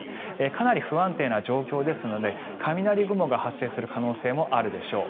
かなり不安定な状況ですので雷雲が発生する可能性もあるでしょう。